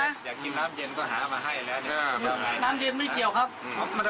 อยากกินน้ำเย็นก็หามาให้แล้ว